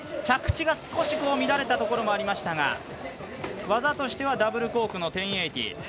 着地が少し乱れたところもありましたが技としてはダブルコークの１０８０。